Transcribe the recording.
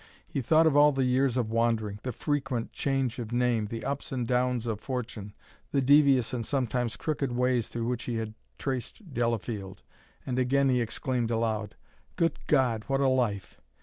He thought of all the years of wandering, the frequent change of name, the ups and downs of fortune, the devious and sometimes crooked ways through which he had traced Delafield, and again he exclaimed aloud: "Good God, what a life!